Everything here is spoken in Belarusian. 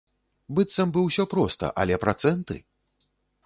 Быццам бы ўсё проста, але працэнты!